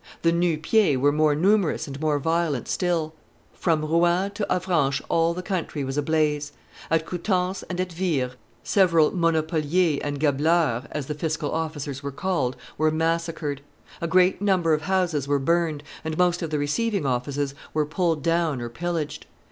The Nu pieds were more numerous and more violent still; from Rouen to Avranches all the country was a blaze. At Coutances and at Vire, several monopoliers and gabeleurs, as the fiscal officers were called, were massacred; a great number of houses were burned, and most of the receiving offices were pulled down or pillaged.